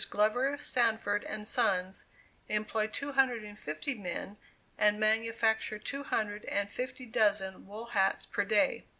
Glover Sanford and Sons, employ two hundred and fifty men, and manufacture two hundred and fifty dozen wool hats per day.